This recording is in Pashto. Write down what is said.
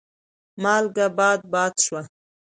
مالګه باد باد شوه.